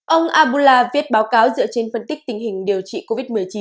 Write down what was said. ông abula viết báo cáo dựa trên phân tích tình hình điều trị covid một mươi chín